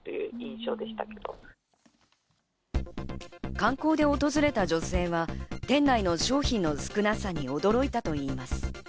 観光で訪れた女性は店内の商品の少なさに驚いたといいます。